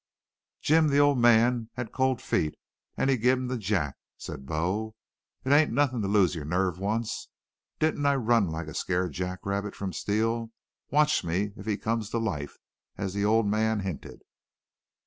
"'Jim, the ole man hed cold feet an' he's give 'em to Jack,' said Bo. 'It ain't nothin' to lose your nerve once. Didn't I run like a scared jack rabbit from Steele? Watch me if he comes to life, as the ole man hinted!'